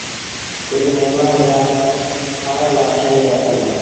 ڪجھ مهمآݩ ري کآڻ لآ شئيٚن وٺتم۔